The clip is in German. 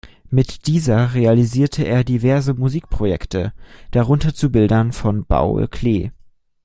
Mit dieser realisierte er diverse Musikprojekte, darunter zu Bildern von Paul Klee.